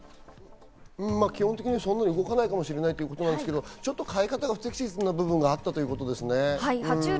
基本的にそんなに動かないかもしれないということですけど、飼い方が不適切な部分があったということですね。